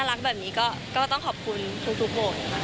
น่ารักแบบนี้ก็ต้องขอบคุณคุณทุกครั้ง